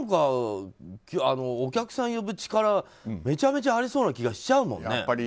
お客さんを呼ぶ力、めちゃめちゃありそうな気がしちゃうもんね。